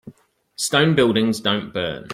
Stone buildings don't burn.